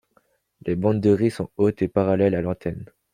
Les bandes de ris sont hautes et parallèles à l'antenne.